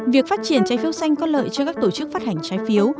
việc phát triển trái phiếu xanh có lợi cho các tổ chức phát hành trái phiếu